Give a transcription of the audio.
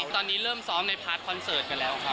ตอนนี้เริ่มซ้อมในพาร์ทคอนเสิร์ตกันแล้วครับ